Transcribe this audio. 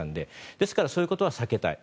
ですからそういうことは避けたい。